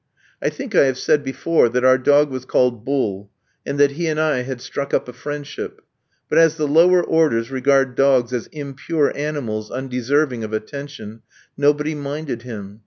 I think I have said before that our dog was called Bull, and that he and I had struck up a friendship; but as the lower orders regard dogs as impure animals undeserving of attention, nobody minded him.